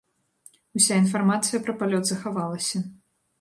Уся інфармацыя пра палёт захавалася.